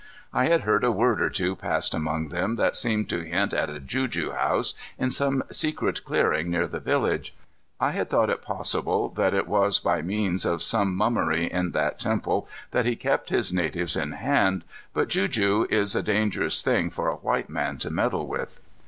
I had heard a word or two passed among them that seemed to hint at a juju house in some secret clearing near the village. I had thought it possible that it was by means of some mummery in that temple that he kept his natives in hand, but juju is a dangerous thing for a white man to meddle with.